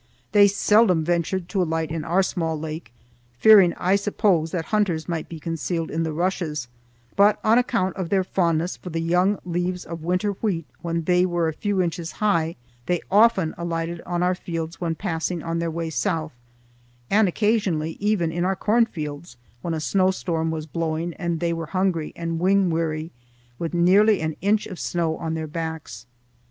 They seldom ventured to alight in our small lake, fearing, I suppose, that hunters might be concealed in the rushes, but on account of their fondness for the young leaves of winter wheat when they were a few inches high, they often alighted on our fields when passing on their way south, and occasionally even in our corn fields when a snowstorm was blowing and they were hungry and wing weary, with nearly an inch of snow on their backs.